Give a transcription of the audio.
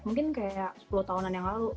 mungkin kayak sepuluh tahunan yang lalu